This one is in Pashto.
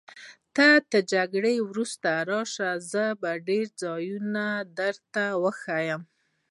ته تر جګړې وروسته راشه، زه به ډېر ځایونه در وښیم.